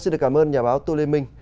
xin cảm ơn nhà báo tô lê minh